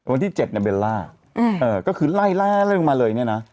วันที่๗เนี่ยเบลล่าก็คือไล่ล่าเลิกมาเลยเนี่ยนะ